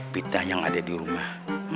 pita yang ada di rumah